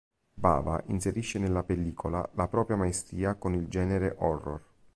Bava inserisce nella pellicola la propria maestria con il genere horror.